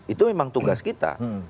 itu memang tugas kita